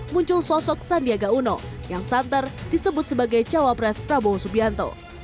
muncul sosok sandiaga uno yang santer disebut sebagai cawapres prabowo subianto